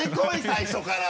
最初から。